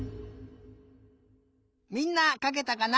みんなかけたかな？